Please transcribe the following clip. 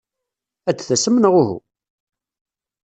Ad d-tasem neɣ uhu?